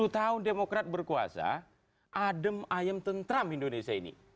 sepuluh tahun demokrat berkuasa adem ayem tentram indonesia ini